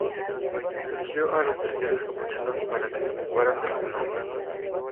Se eligió a los Terciarios Capuchinos para que se ocuparan de los menores.